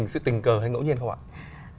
sự tình cờ hay ngẫu nhiên không ạ